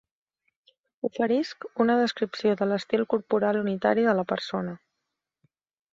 Oferisc una descripció de l'estil corporal unitari de la persona.